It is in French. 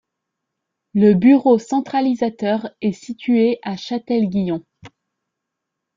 Le bureau centralisateur est situé à Châtel-Guyon.